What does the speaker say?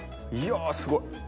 いやすごい！